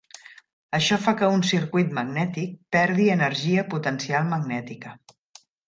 Això fa que un circuit magnètic perdi energia potencial magnètica.